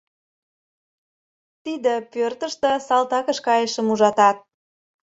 Тиде пӧртыштӧ салтакыш кайышым ужатат.